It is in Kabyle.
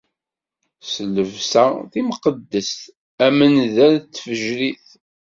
S llebsa timqeddest, am nnda n tfejrit.